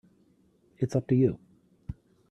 It's up to you.